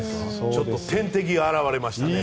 ちょっと天敵が現れましたね。